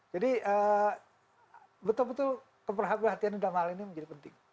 jadi betul betul keberhatian dalam hal ini menjadi penting